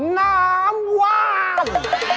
นาเว้ง